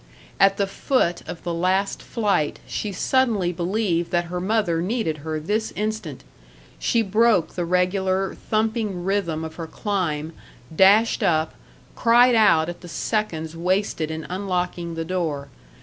At the foot of the last flight she suddenly believed that her mother needed her this instant. She broke the regular thumping rhythm of her climb, dashed up, cried out at the seconds wasted in unlocking the door.